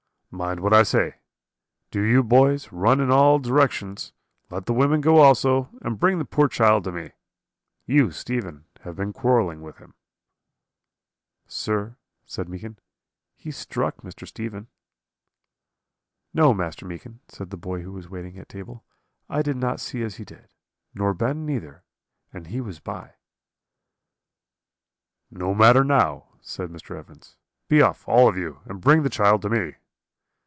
Mind what I say. Do you, boys, run in all directions; let the women go also, and bring the poor child to me. You, Stephen, have been quarrelling with him.' "'Sir,' said Meekin, 'he struck Mr. Stephen.' "'No, Master Meekin,' said the boy who was waiting at table, 'I did not see as he did; nor Ben neither, and he was by.' "'No matter now,' said Mr. Evans; 'be off, all of you, and bring the child to me.'